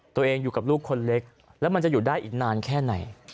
อยู่กับลูกคนเล็กแล้วมันจะอยู่ได้อีกนานแค่ไหน